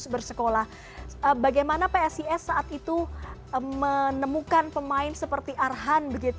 bersekolah bagaimana psis saat itu menemukan pemain seperti arhan